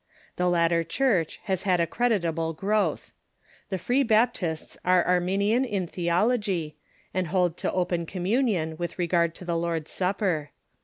The latter Church has had a creditable growth. The Free Baptists are Arminian in theology, and hold to open commun ion with regard to the Lord's Supper.